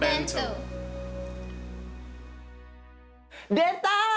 出た！